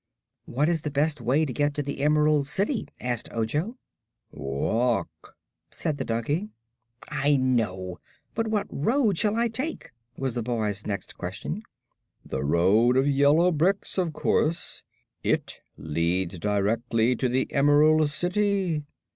"What is the best way to get to the Emerald City?" asked Ojo. "Walk," said the donkey. "I know; but what road shall I take?" was the boy's next question. "The road of yellow bricks, of course. It leads directly to the Emerald City."